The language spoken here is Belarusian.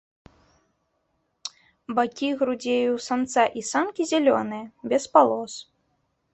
Бакі грудзей у самца і самкі зялёныя, без палос.